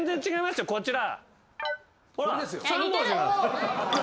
こちら。